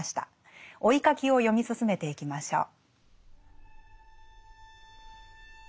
「追ひ書き」を読み進めていきましょう。